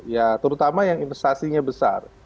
ya terutama yang investasinya besar